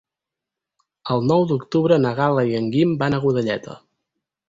El nou d'octubre na Gal·la i en Guim van a Godelleta.